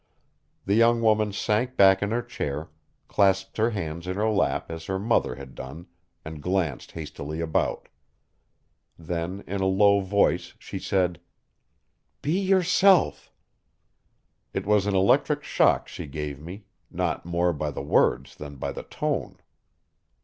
The young woman sank back in her chair, clasped her hands in her lap as her mother had done, and glanced hastily about. Then in a low voice she said: "Be yourself." It was an electric shock she gave me, not more by the words than by the tone.